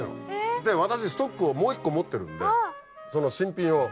で私ストックをもう１個持ってるんで。